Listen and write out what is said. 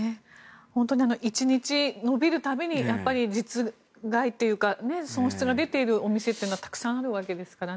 本当に１日延びる度に実害というか損失が出ているお店はたくさん出ているわけですからね。